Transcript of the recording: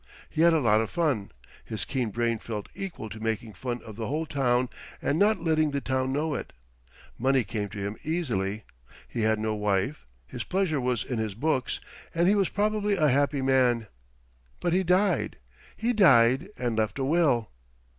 He had a lot of fun. His keen brain felt equal to making fun of the whole town and not letting the town know it. Money came to him easily; he had no wife; his pleasure was in his books and he was probably a happy man. But he died. He died and left a will.